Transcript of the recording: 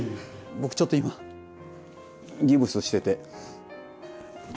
僕ちょっと今ギプスしてて。